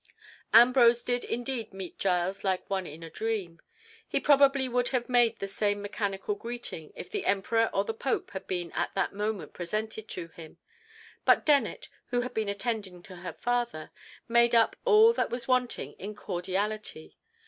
Ambrose did indeed meet Giles like one in a dream. He probably would have made the same mechanical greeting, if the Emperor or the Pope had been at that moment presented to him; but Dennet, who had been attending to her father, made up all that was wanting in cordiality.